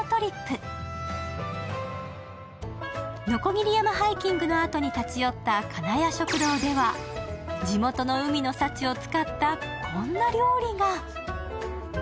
鋸山ハイキングのあとに立ち寄った金谷食堂では、地元の海の幸を使った、こんな料理が。